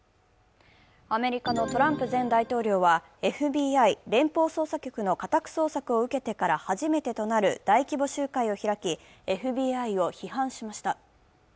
アメリカのトランプ前大統領はＦＢＩ＝連邦捜査局の家宅捜索を受けてから初めてとなる大規模集会を開き、ＦＢＩを批判しました。